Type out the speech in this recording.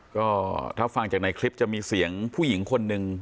ก็ถ้าฟังจากในคลิปจะมีเสียงผู้หญิงคนหนึ่ง